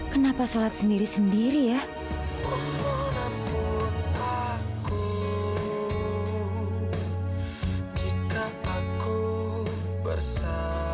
kenapa sholat sendiri sendiri ya